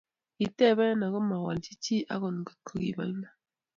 kiteeb ako mawolchi chi akot ko kibo iman